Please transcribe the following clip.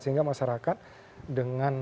sehingga masyarakat dengan